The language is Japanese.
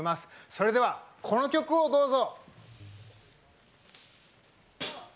それではこの曲をどうぞ！